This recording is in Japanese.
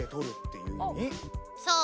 そう。